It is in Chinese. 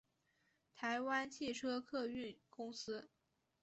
台湾汽车客运公司